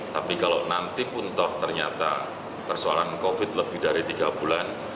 tapi kalau nanti pun toh ternyata persoalan covid lebih dari tiga bulan